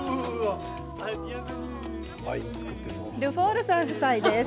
ルフォールさん夫妻です。